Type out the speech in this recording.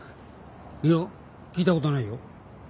いや聞いたことないよ。